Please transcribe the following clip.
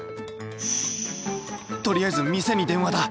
とりあえず店に電話だ。